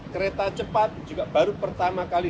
kereta cepat juga baru pertama kali